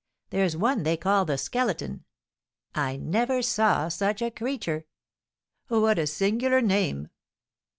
There's one they call the Skeleton, I never saw such a creature." "What a singular name!"